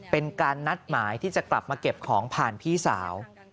เป็นการนัดหมายที่จะกลับมาเก็บของผ่านพี่สาว